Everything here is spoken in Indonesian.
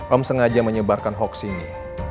om sengaja menyebarkan hoax ini